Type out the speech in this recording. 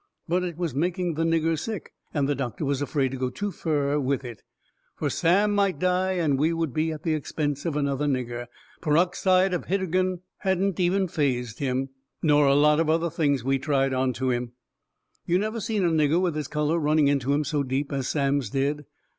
But it was making the nigger sick, and the doctor was afraid to go too fur with it, fur Sam might die and we would be at the expense of another nigger. Peroxide of hidergin hadn't even phased him. Nor a lot of other things we tried onto him. You never seen a nigger with his colour running into him so deep as Sam's did.